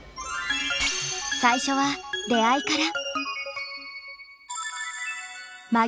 最初は出会いから。